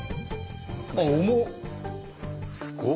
重っ！